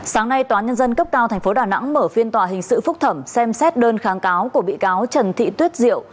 sáng nay tòa nhân dân cấp cao tp đà nẵng mở phiên tòa hình sự phúc thẩm xem xét đơn kháng cáo của bị cáo trần thị tuyết diệu